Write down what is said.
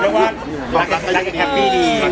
เบลล์ว่าหลักกันอย่างแฮปปี้ดี